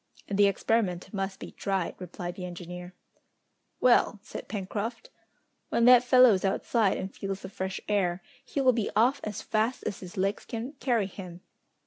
"The experiment must be tried," replied the engineer. "Well!" said Pencroft. "When that fellow is outside, and feels the fresh air, he will be off as fast as his legs can carry him!"